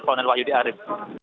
kronel wahyudi arif